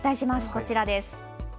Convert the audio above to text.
こちらです。